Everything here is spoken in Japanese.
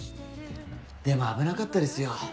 でも危なかったですよ。